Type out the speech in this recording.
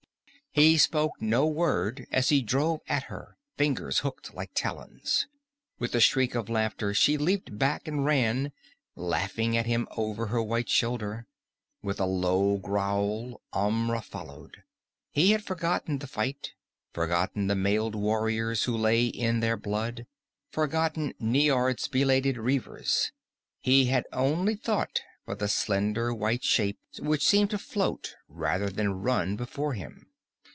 He spoke no word as he drove at her fingers hooked like talons. With a shriek of laughter she leaped back and ran, laughing at him over her white shoulder. With a low growl Amra followed. He had forgotten the fight, forgotten the mailed warriors who lay in their blood, forgotten Niord's belated reavers. He had thought only for the slender white shape which seemed to float rather than run before him.